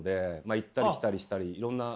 行ったり来たりしたりいろんな。